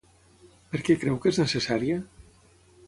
Per què creu que és necessària?